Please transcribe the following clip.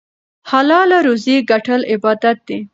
حلاله روزي ګټل عبادت دی.